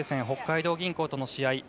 北海道銀行との試合